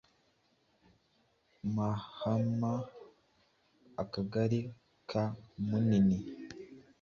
Mahama akagari ka Munini.